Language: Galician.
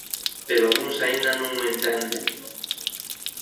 Pero algúns aínda non o entenden.